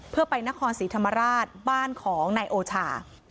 เพื่อไปนครศรีธรรมราชบ้านของนายโอชา